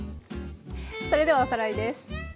それではおさらいです。